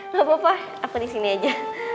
gak apa apa aku disini aja